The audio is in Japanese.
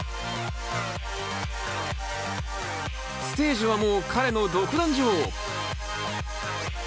ステージはもう彼の独壇場。